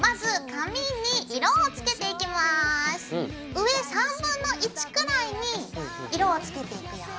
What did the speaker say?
上1/3くらいに色をつけていくよ。